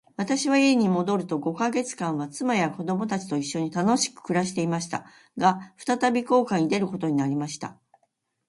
私は家に戻ると五ヵ月間は、妻や子供たちと一しょに楽しく暮していました。が、再び航海に出ることになりました。